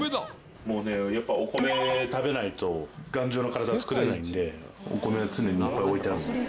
もうねやっぱお米食べないと頑丈な体作れないんでお米は常にいっぱい置いてあるんです。